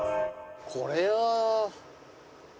これは。